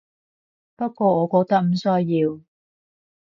不過我覺得唔需要